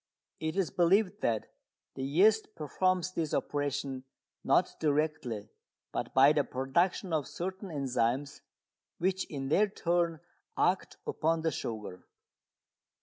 It is believed that the yeast performs this operation not directly, but by the production of certain enzymes, which in their turn act upon the sugar.